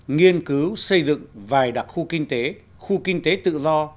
nghiên cứu xây dựng vài đặc khu kinh tế khu kinh tế tự do